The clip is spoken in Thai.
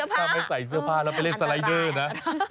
ถ้าไม่ใส่เสื้อผ้าแล้วไปเล่นสไลเดอร์นะ